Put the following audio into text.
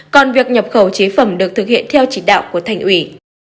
còn việc nhập khẩu chế phẩm được thực hiện theo chỉ đạo của thành ủy